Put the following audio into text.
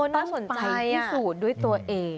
น่าสนใจที่สุดด้วยตัวเอก